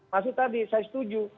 maksud tadi saya setuju